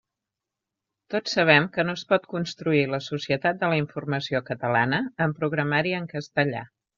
Tots sabem que no es pot construir la Societat de la Informació catalana amb programari en castellà.